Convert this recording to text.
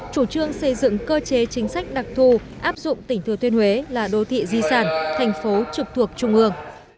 chủ trương xây dựng cơ chế chính sách đặc thù áp dụng tỉnh thừa thiên huế là đô thị di sản thành phố trực thuộc trung ương